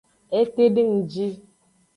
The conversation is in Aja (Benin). Etedengji.